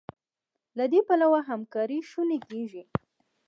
له دې پله همکاري شونې کېږي.